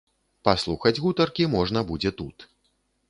Паслухаць гутаркі можна будзе тут.